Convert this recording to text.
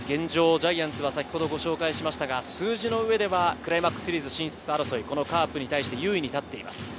ジャイアンツは先ほどご紹介しましたが、数字の上ではクライマックスシリーズ進出争い、カープに対して有利に立っています。